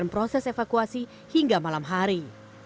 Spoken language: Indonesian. proses evakuasi hingga malam hari